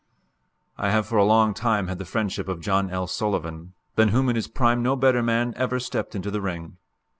I have for a long time had the friendship of John L. Sullivan, than whom in his prime no better man ever stepped into the ring.